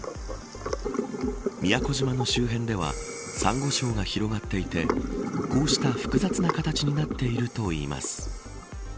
宮古島の周辺ではサンゴ礁が広がっていてこうした複雑な形になっているといいます。